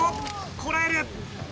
こらえる！